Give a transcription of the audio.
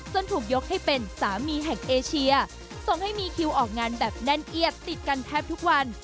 ถูกยกให้เป็นสามีแห่งเอเชียส่งให้มีคิวออกงานแบบแน่นเอียดติดกันแทบทุกวัน